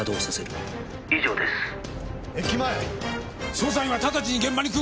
捜査員はただちに現場に急行！